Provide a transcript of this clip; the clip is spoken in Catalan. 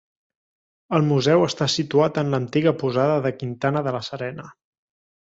El museu està situat en l'antiga posada de Quintana de la Serena.